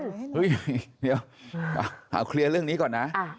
เฮ้ยเดี๋ยวเอาเคลียร์เรื่องนี้ก่อนนะ